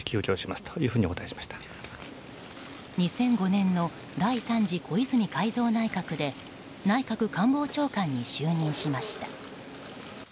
２００５年の第３次小泉改造内閣で内閣官房長官に就任しました。